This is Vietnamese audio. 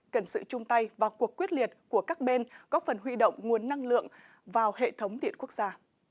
cần sự chung tay và cuộc quyết liệt của các bên góp phần huy động nguồn năng lượng vào hệ thống điện quốc gia